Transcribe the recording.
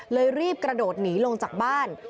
รีบกระโดดหนีลงจากบ้าน